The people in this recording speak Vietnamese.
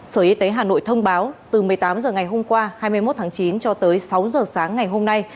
sở y tế hà nội thông báo từ một mươi tám h ngày hôm qua hai mươi một tháng chín cho tới sáu h sáng ngày hôm nay